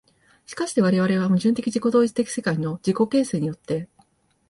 而して我々は矛盾的自己同一的世界の自己形成によって、